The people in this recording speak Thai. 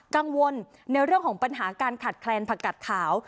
กังวลในเรื่องของปัญหาการขาดแคลนผักกัดขาว